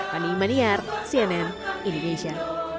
pani maniar cnn indonesia